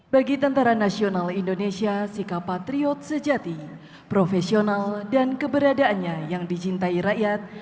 bagi tni sikap patriot sejati profesional dan keberadaannya yang dicintai rakyat